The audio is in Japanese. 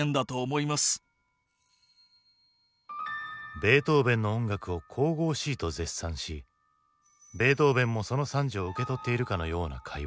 ベートーヴェンの音楽を神々しいと絶賛しベートーヴェンもその賛辞を受け取っているかのような会話。